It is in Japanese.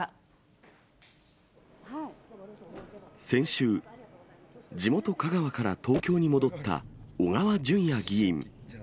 先週、地元、香川から東京に戻った小川淳也議員。